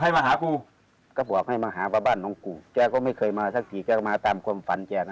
ภาพสามสี่ห้าหัวโปรปุ่นละที่ชั้นนั่ง